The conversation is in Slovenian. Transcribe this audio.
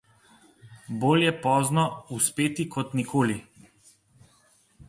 Bolje pozno uspeti kot nikoli.